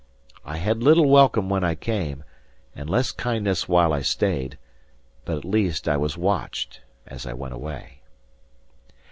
I had little welcome when I came, and less kindness while I stayed; but at least I was watched as I went away.